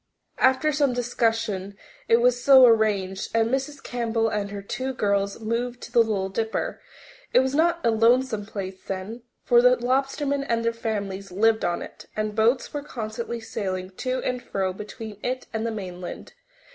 After some discussion it was so arranged, and Mrs. Campbell and her two girls moved to the Little Dipper. It was not a lonesome place then, for the lobstermen and their families lived on it, and boats were constantly sailing to and fro between it and the mainland.